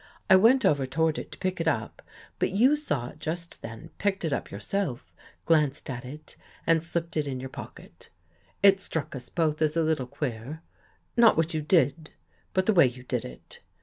I went over toward it to pick it up, but you saw it just then, picked it up yourself, glanced at it, and slipped it in your pocket. It struck us both as a little queer. Not what you did, but the way you did it.